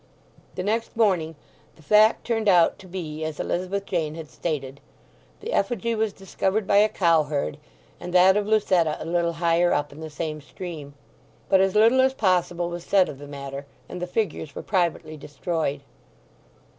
The next morning the fact turned out to be as Elizabeth Jane had stated; the effigy was discovered by a cowherd, and that of Lucetta a little higher up in the same stream. But as little as possible was said of the matter, and the figures were privately destroyed.